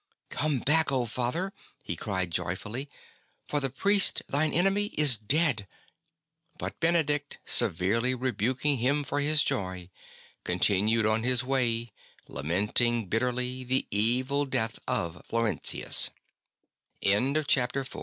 *'Come back, Father," he cried joyfully, '' for the priest thine enemy is dead !'' But Benedict, severely rebuking him for his joy, continued on his way, lamenting bitterly the evil deat